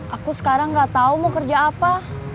aku sekarang gak tau mau kerja apa